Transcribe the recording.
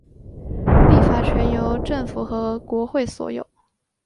立法权由政府和国会所有。